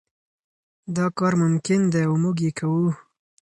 دا کار ممکن دی او موږ یې کوو.